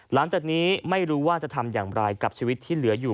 หลังจากนี้ไม่รู้ว่าจะทำอย่างไรกับชีวิตที่เหลืออยู่